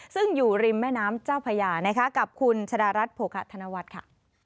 ซึ่งอยู่ริมแม่น้ำเจ้าพญานะคะกับคุณชะดารัฐโภคะธนวัฒน์ค่ะ